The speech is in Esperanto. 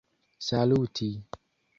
saluti